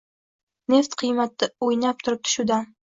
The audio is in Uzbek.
“Neft qiymati o’ynab turibdi shu dam